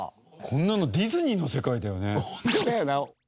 こんなのディズニーの世界だよね。